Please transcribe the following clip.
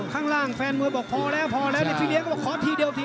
ข้างล่างแฟนมวยบอกพอแล้วพี่เลี้ยงก็ขอทีเดียว